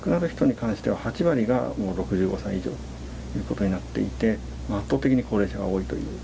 akan meningkatkan risiko kematian akibat kepanasan